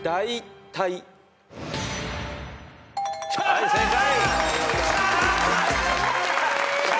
はい正解。